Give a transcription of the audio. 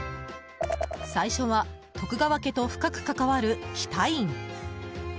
最初は徳川家と深く関わる喜多院。